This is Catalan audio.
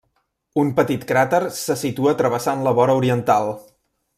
Un petit cràter se situa travessant la vora oriental.